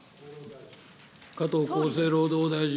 加藤厚生労働大臣。